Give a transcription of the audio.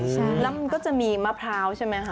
ใช่แล้วมันก็จะมีมะพร้าวใช่ไหมคะ